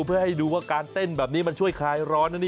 เพื่อให้ดูว่าการเต้นแบบนี้มันช่วยคลายร้อนนะนี่